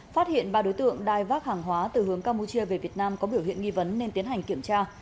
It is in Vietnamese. phát hiện ba đối tượng đai vác hàng hóa từ hướng campuchia về việt nam có biểu hiện nghi vấn nên tiến hành kiểm tra